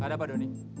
ada apa donny